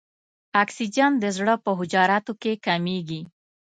اکسیجن د زړه په حجراتو کې کمیږي.